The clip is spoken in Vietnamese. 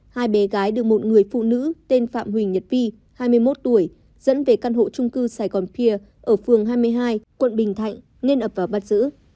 hai bé gái được một người phụ nữ tên phạm huỳnh nhật vi hai mươi một tuổi dẫn về căn hộ trung cư sài gòn pia ở phường hai mươi hai quận bình thạnh nên ập vào bắt giữ